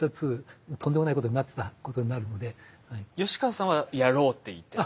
吉川さんは「やろう」って言ってたんですか？